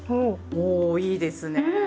おいいですねぇ。